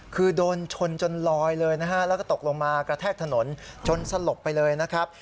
คือโดนชนจนลอยเลยนะฮะแล้วก็ตกลงมากระแทกถนนจนสลบไปเลยนะครับ